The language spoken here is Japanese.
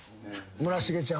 村重ちゃんは？